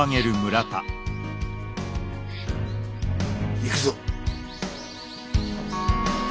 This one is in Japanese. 行くぞ。